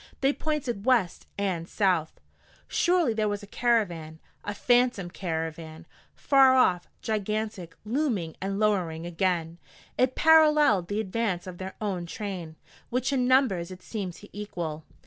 They pointed west and south. Surely there was a caravan a phantom caravan! Far off, gigantic, looming and lowering again, it paralleled the advance of their own train, which in numbers it seemed to equal.